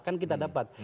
kan kita dapat